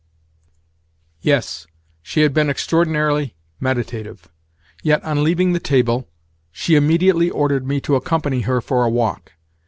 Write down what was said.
V Yes, she had been extraordinarily meditative. Yet, on leaving the table, she immediately ordered me to accompany her for a walk.